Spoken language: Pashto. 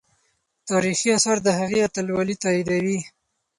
تاریخي آثار د هغې اتلولي تاییدوي.